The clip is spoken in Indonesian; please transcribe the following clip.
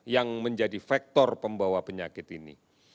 yang menjadi faktor pembawa penyakit ini